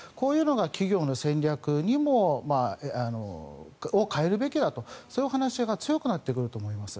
企業の戦略を変えるべきだと、そういうお話が強くなってくると思います。